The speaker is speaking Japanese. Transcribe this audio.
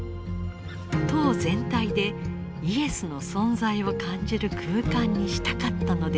塔全体でイエスの存在を感じる空間にしたかったのではないか。